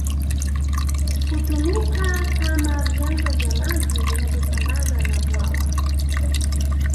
Hutumika kama vyanzo vya maji vinavyosambaza na bwawa